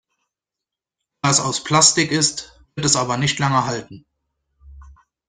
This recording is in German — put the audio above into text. Da es aus Plastik ist, wird es aber nicht lange halten.